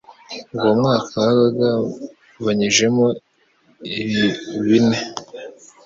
Uwo mwaka wari ugabanyijemo ibhe bine